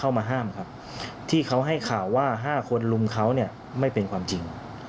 เข้ามาห้ามครับที่เขาให้ข่าวว่า๕คนลุมเขาเนี่ยไม่เป็นความจริง